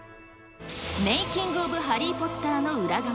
メイキング・オブ・ハリー・ポッターの裏側。